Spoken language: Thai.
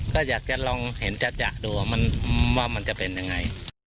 ก็อยากจะลองเห็นจะดูว่ามันจะเป็นยังไง